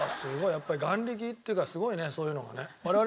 やっぱり眼力っていうかすごいねそういうのがね。